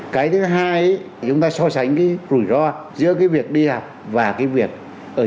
cái thứ hai chúng ta so sánh cái rủi ro giữa cái việc đi học và cái việc ở